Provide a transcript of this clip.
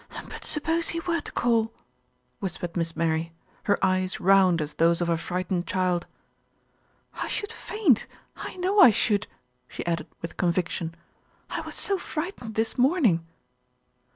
"But suppose he were to call," whispered Miss Mary, her eyes round as those of a frightened child. "I should faint, I know I should," she added with conviction. "I was so frightened this morning."